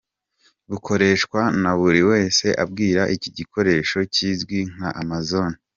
bukoreshwa na buri wese abwira iki gikoresho kizwi nka Amazon